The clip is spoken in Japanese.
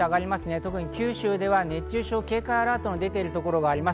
特に九州では熱中症警戒アラートが出ているところがあります。